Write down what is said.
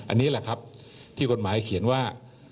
อันนี้แหละครับที่กฎหมายเขียนว่า